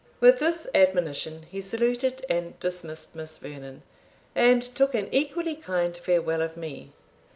With this admonition, he saluted and dismissed Miss Vernon, and took an equally kind farewell of me.